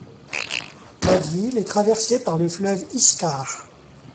La ville est traversée par le fleuve Iskar.